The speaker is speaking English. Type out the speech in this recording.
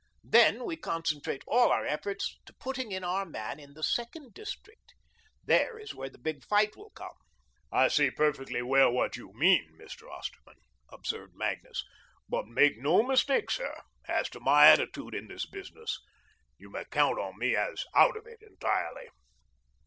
Then we concentrate all our efforts to putting in our man in the second district. There is where the big fight will come." "I see perfectly well what you mean, Mr. Osterman," observed Magnus, "but make no mistake, sir, as to my attitude in this business. You may count me as out of it entirely."